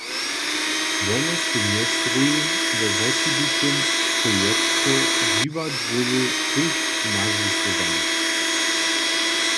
Wone su mjez druhim we wosebitym projekće dźiwadłowy kruch nazwučowali.